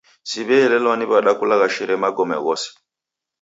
Siw'eelelwa ni w'ada kulagharishe magome ghose.